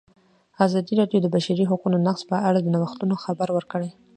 ازادي راډیو د د بشري حقونو نقض په اړه د نوښتونو خبر ورکړی.